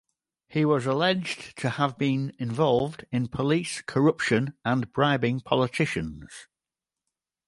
He was alleged to have been involved in police corruption and bribing politicians.